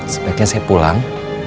sebaiknya saya pulang